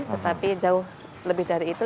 tetapi jauh lebih dari itu